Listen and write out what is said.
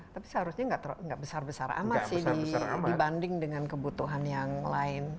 tapi seharusnya nggak besar besar amat sih dibanding dengan kebutuhan yang lain